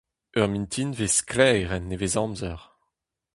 Ur mintinvezh sklaer en nevez-amzer.